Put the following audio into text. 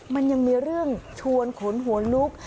มันยังมีเรื่องชวนขนหัวลุก